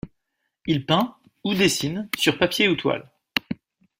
Il peint ou dessine sur papier ou toile.